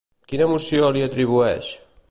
Quina emoció li atribueix?